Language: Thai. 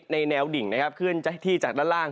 ในแนวดิ่งนะครับขึ้นที่จากด้านล่าง